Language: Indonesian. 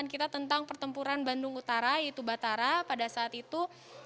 kita tentang pertempuran bandung utara yaitu batara pada saat itu